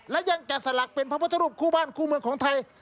และยังแกะสลักเป็นพระพุทธรูปคู่บ้านคู่เมืองของไทย